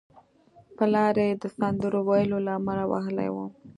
پلار یې د سندرو ویلو له امله وهلی و